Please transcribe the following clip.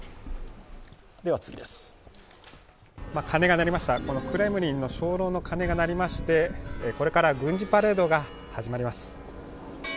鐘が鳴りました、クレムリンの鐘楼の鐘が鳴りまして、これから軍事パレードが始まります。